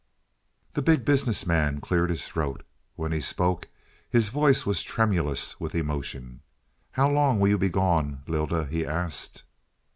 The Big Business Man cleared his throat. When he spoke his voice was tremulous with emotion. "How long will you be gone Lylda?" he asked.